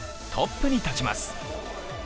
トップに立ちます。